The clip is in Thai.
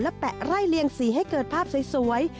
แปะไร่เลียงสีให้เกิดภาพสวย